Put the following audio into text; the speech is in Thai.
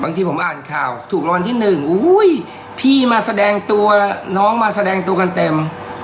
ที่ผมอ่านข่าวถูกรางวัลที่หนึ่งอุ้ยพี่มาแสดงตัวน้องมาแสดงตัวกันเต็ม